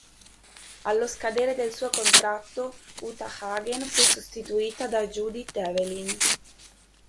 Allo scadere del suo contratto, Uta Hagen fu sostituita da Judith Evelyn.